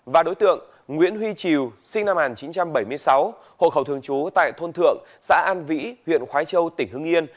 và đối tượng nguyễn huy triều sinh năm một nghìn chín trăm bảy mươi sáu hộ khẩu thường trú tại thôn thượng xã an vĩ huyện khói châu tỉnh hưng yên